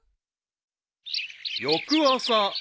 ［翌朝］